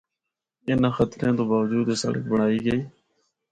اِناں خطریاں تو باوجو اے سڑک بنڑائی گئی۔